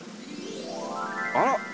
あら？